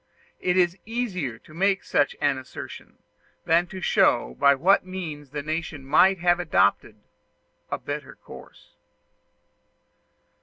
It is easier to make such an assertion than to show by what means the nation might have adopted a better course.